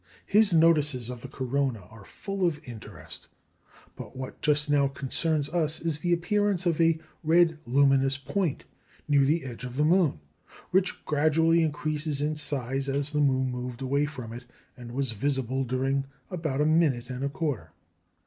His notices of the corona are full of interest; but what just now concerns us is the appearance of "a red luminous point" "near the edge of the moon," which gradually increased in size as the moon moved away from it, and was visible during about a minute and a quarter.